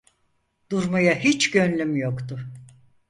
Durmaya hiç gönlüm yoktu.